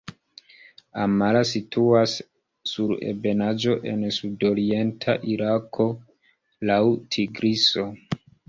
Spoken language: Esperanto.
Amara situas sur ebenaĵo en sudorienta Irako laŭ Tigriso.